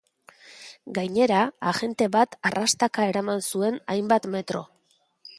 Gainera, agente bat arrastaka eraman zuen hainbat metro.